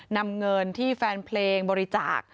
นำเงินที่แฟนเพลงบริจาค